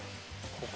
ここ。